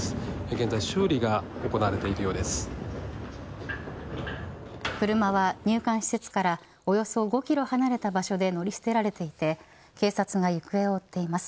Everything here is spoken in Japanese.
現在、修理が車は入管施設からおよそ５キロ離れた場所で乗り捨てられていて警察が行方を追っています。